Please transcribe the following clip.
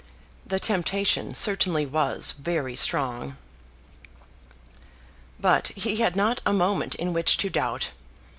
The temptation certainly was very strong. But he had not a moment in which to doubt.